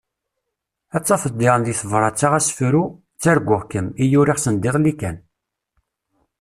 Ad tafeḍ diɣen deg tebrat-a asefru « Ttarguɣ-kem » i uriɣ sendiḍelli kan.